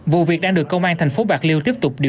vụ việc đang được công an thành phố bạc liêu tiếp tục điều tra